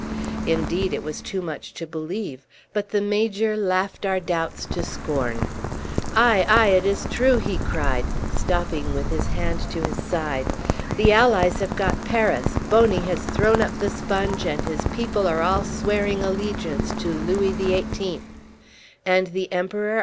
Indeed it was too much to believe, but the Major laughed our doubts to scorn. "Aye, aye, it is true," he cried, stopping with his hand to his side. "The Allies have got Paris, Boney has thrown up the sponge, and his people are all swearing allegiance to Louis XVIII." "And the Emperor?"